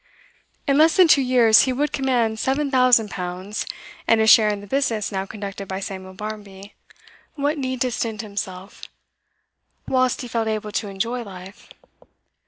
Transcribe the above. In less than two years he would command seven thousand pounds, and a share in the business now conducted by Samuel Barmby. What need to stint himself whilst he felt able to enjoy life?